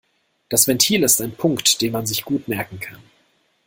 Das Ventil ist ein Punkt, den man sich gut merken kann.